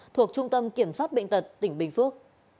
thuộc trung tâm kiểm soát bệnh tật tỉnh bình phước